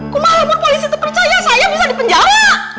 kumahal pun polisi terpercaya saya bisa dipenjara